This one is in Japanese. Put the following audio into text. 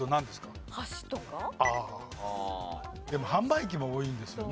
でも販売機も多いんですよね。